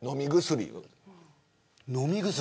飲み薬。